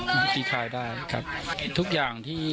มธิคายได้ครับทุกอย่างที่